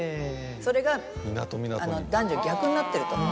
それが男女逆になってると。